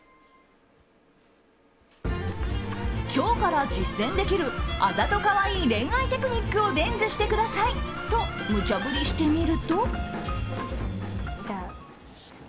今日から実践できるあざとカワイイ恋愛テクニックを伝授してくださいとむちゃ振りしてみると。